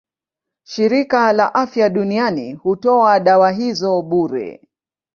Shirika la Afya Duniani hutoa dawa hizo bure.